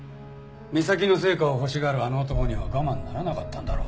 目先の成果を欲しがるあの男には我慢ならなかったんだろう。